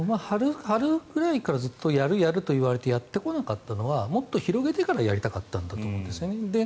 春くらいからずっとやる、やるといわれてやってこなかったのはもっと広げてからやりたかったんだと思うんですね。